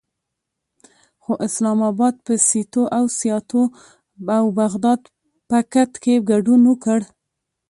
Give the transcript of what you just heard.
خو اسلام اباد په سیتو او سیاتو او بغداد پکت کې ګډون وکړ.